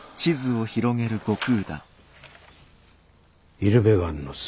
イルベガンの巣。